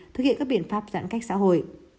thực hiện các biện pháp giãn cách xã hội